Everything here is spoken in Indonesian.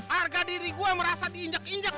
harga diri gue merasa diinjak injak